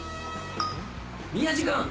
宮治君